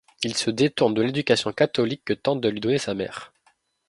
Il se détourne de l'éducation catholique que tente de lui donner sa mère.